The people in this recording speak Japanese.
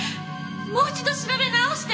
もう一度調べ直して！